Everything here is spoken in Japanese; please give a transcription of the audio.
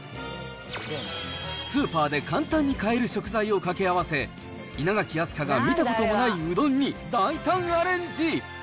スーパーで簡単に買える食材をかけあわせ、稲垣飛鳥が見たこともないうどんに大胆アレンジ。